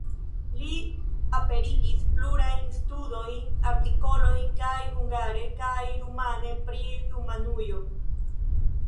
Li aperigis plurajn studojn, artikolojn kaj hungare kaj rumane pri Rumanujo.